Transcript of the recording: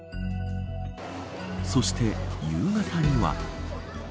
そして夕方には。